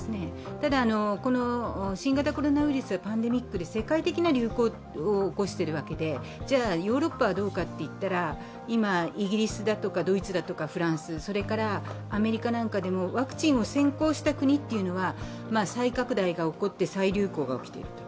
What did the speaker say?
ただこの新型コロナウイルス、パンデミック、世界的な流行を起こしているわけでじゃヨーロッパはどうかといったら、今、イギリスだとかドイツ、フランス、それからアメリカなんかでもワクチンを先行した国というのは再拡大が起こって再流行が起きている。